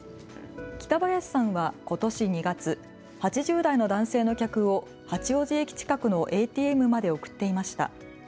北林さんはことし２月、８０代の男性の客を八王子駅近くのＡＴＭまで送っていました。